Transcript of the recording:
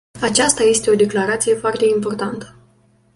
Aceasta este o declarație foarte importantă.